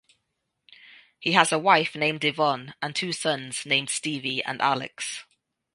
He has a wife named Yvonne and two sons named Stevie and Alex.